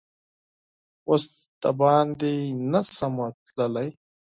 اوس دباندې نه شمه تللا ی